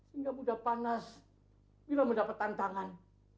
sehingga mudah panas bila mendapat tantangan